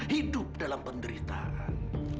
hidup dalam penderitaan